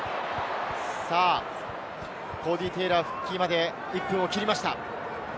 コーディー・テイラー復帰まで１分を切りました。